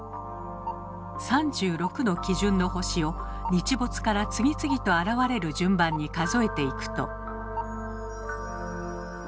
３６の基準の星を日没から次々と現れる順番に数えていくと。